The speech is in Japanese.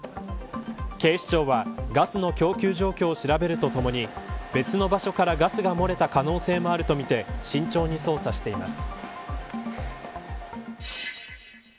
警視庁は、ガスの供給状況を調べるとともに別の場所からガスが漏れた可能性もあるとみて慎重に捜査しています。